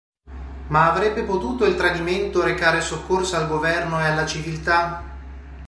Ma avrebbe potuto il tradimento recare soccorso al governo e alla civiltà?